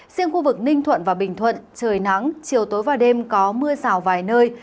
riêng khu vực ninh thuận và bình thuận trời nắng chiều tối và đêm có mưa rào vài nơi